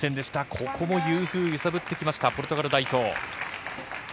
ここもユー・フー、ゆさぶってきました、ポルトガル代表。